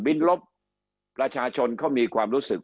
คำอภิปรายของสอสอพักเก้าไกลคนหนึ่ง